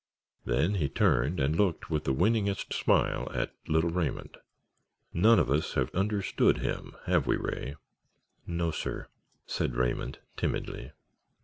Then he turned and looked with the winningest smile at little Raymond. "None of us have understood him, have we, Ray?" "No, sir," said Raymond, timidly.